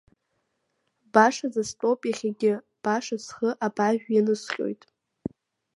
Башаӡа стәоуп иахьагьы, баша схы абажә ианысҟьоит.